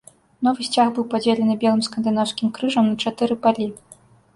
Новы сцяг быў падзелены белым скандынаўскім крыжам на чатыры палі.